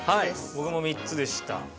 僕も３つでした。